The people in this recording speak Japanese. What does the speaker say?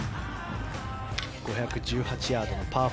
５１８ヤードのパー５。